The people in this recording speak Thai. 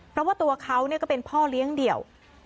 เพราะว่าตัวเขาก็เป็นพ่อเลี้ยงเดี่ยว